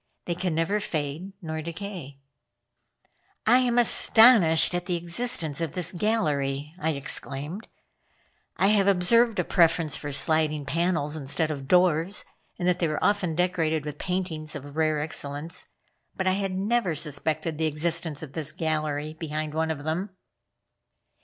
They can never fade nor decay." "I am astonished at the existence of this gallery," I exclaimed. "I have observed a preference for sliding panels instead of doors, and that they were often decorated with paintings of rare excellence, but I had never suspected the existence of this gallery behind one of them."